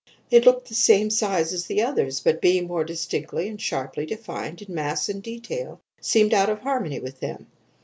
It looked the same size as the others, but, being more distinctly and sharply defined in mass and detail, seemed out of harmony with them.